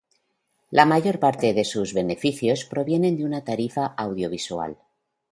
La mayor parte de sus beneficios provienen de una tarifa audiovisual.